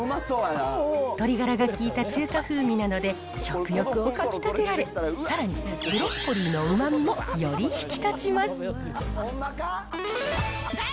鶏がらが効いた中華風味なので、食欲をかき立てられ、さらに、ブロッコリーのうまみもより引き立ちます。